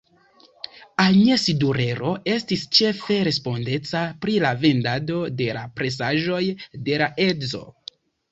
Agnes Durero estis ĉefe respondeca pri la vendado de la presaĵoj de la edzo.